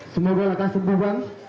semoga lakasan buang